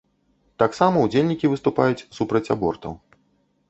Таксама ўдзельнікі выступаюць супраць абортаў.